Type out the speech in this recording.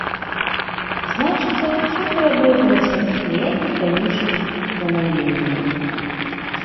Значыцца, усё пераблыталася, ніякіх ранейшых устанаўленняў.